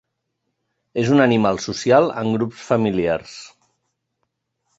És un animal social en grups familiars.